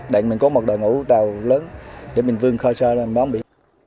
định mình có một đội ngũ tàu lớn để mình vươn khơi xa ra mình bóng biển